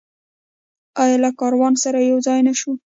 آیا له کاروان سره یوځای نشو؟